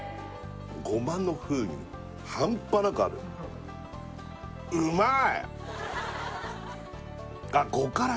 ゴマの風味も半端なくあるうまい！